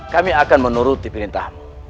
kami akan menuruti perintahmu